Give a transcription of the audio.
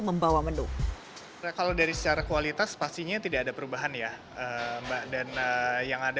membawa menu kalau dari secara kualitas pastinya tidak ada perubahan ya mbak dan yang ada